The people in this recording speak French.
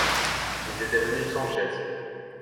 Ils étaient venus sans chaise